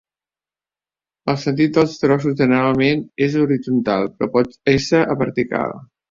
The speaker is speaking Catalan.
El sentit dels traços generalment és horitzontal, però pot ésser vertical.